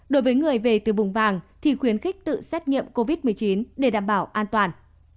đối với người về từ vùng vàng thì khuyến khích tự xét nghiệm covid một mươi chín để đảm bảo an toàn